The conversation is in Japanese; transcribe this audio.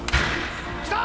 きた！